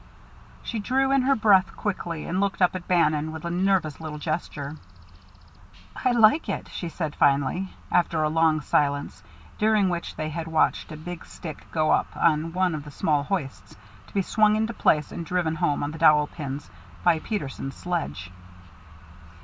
She drew in her breath quickly, and looked up at Bannon with a nervous little gesture. "I like it," she finally said, after a long silence, during which they had watched a big stick go up on one of the small hoists, to be swung into place and driven home on the dowel pins by Peterson's sledge.